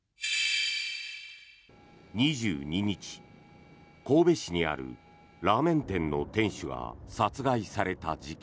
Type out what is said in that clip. ２２日、神戸市にあるラーメン店の店主が殺害された事件。